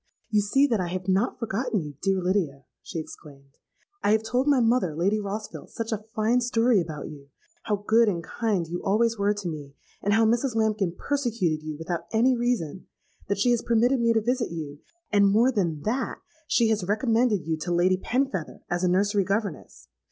'You see that I have not forgotten you, dear Lydia,' she exclaimed. 'I have told my mother, Lady Rossville, such a fine story about you,—how good and kind you always were to me, and how Mrs. Lambkin persecuted you without any reason,—that she has permitted me to visit you; and, more than that, she has recommended you to Lady Penfeather as a nursery governess.